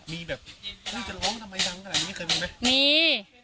มีแบบเฮ้ยจะร้องทำไมดังกันแหละนี่เคยมีไหม